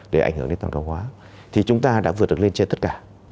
để ảnh hưởng đến toàn cầu hóa thì chúng ta đã vượt được lên trên tất cả